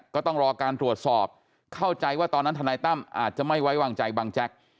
ก็ต้องรอการตรวจสอบเข้าใจว่าตอนนั้นทนายตั้มอาจจะไม่ไว้วางใจบังแจ๊ก